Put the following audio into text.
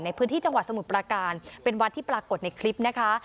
ในพื้นที่จังหวัดสมุทรประการเป็นวัดที่ปรากฏในคลิปนะคะ